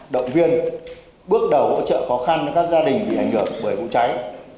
động viên bước đầu hỗ trợ khó khăn cho các gia đình bị ảnh hưởng bởi vụ cháy